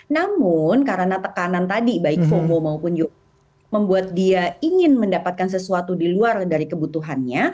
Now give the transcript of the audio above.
namun karena tekanan tadi baik fomo maupun yoko membuat dia ingin mendapatkan sesuatu di luar dari kebutuhannya